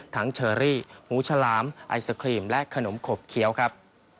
เชอรี่หมูฉลามไอศครีมและขนมขบเคี้ยวครับ